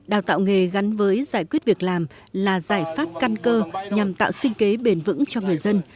đào tạo nghề gắn với giải quyết việc làm là giải pháp căn cơ nhằm tạo sinh kế bền vững cho người dân